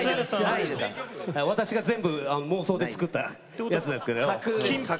私が全部、妄想で作ったやつなんですけど。